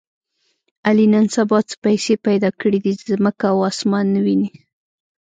علي نن سبا څه پیسې پیدا کړې دي، ځمکه او اسمان نه ویني.